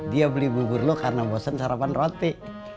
dia beli bubur lo karena bosen sarapan roti